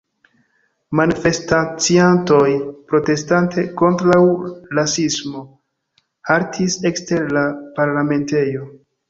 Manifestaciantoj, protestante kontraŭ rasismo, haltis ekster la parlamentejo.